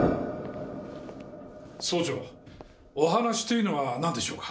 総長お話というのはなんでしょうか？